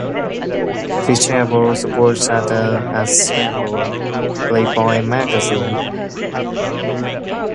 She traveled the world as the ambassador of "Playboy" magazine.